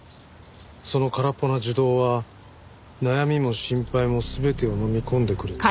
「その空っぽな樹洞は悩みも心配も全てをのみ込んでくれた」